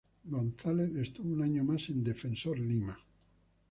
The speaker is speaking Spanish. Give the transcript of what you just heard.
González estuvo un año más en Defensor Lima.